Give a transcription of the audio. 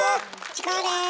チコです。